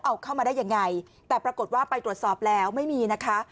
เอาเข้ามาได้ยังไงแต่ปรากฏว่าไปตรวจสอบแล้วไม่มีนะคะ